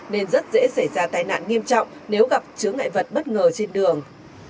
nên rất dễ xảy ra tai nạn nghiêm trọng nếu gặp chứa ngại vật bất ngờ trên đường